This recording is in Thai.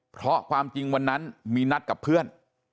เพราะความจริงวันนั้นมีนัดกับเพื่อน